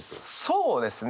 そうですね。